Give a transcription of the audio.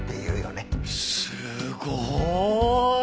すごーい！